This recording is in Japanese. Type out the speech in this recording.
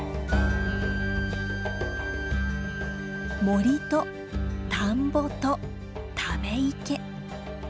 森と田んぼとため池。